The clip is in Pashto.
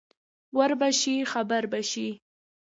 ور به شې خبر به شې.